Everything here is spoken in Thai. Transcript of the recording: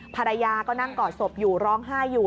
ภรรยาก็นั่งกอดศพอยู่ร้องไห้อยู่